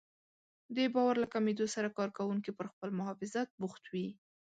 د باور له کمېدو سره کار کوونکي پر خپل محافظت بوخت وي.